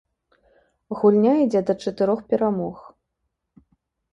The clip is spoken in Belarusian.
Гульня ідзе да чатырох перамог.